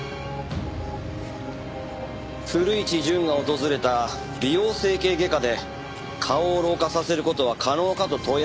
古市潤が訪れた美容整形外科で顔を老化させる事は可能かと問い合わせた